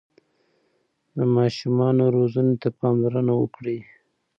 د ماشومانو روزنې ته پاملرنه وکړئ.